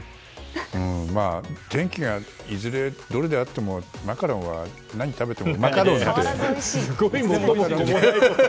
天気がいずれどれであってもマカロンは何食べてもうまかろうですね。